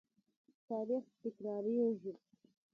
تاریخ تکرارېږي.